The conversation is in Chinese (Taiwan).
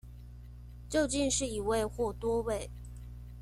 究竟是一位或多位